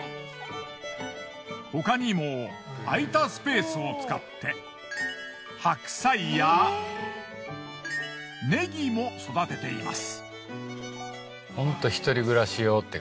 他にも空いたスペースを使って白菜やネギも育てています。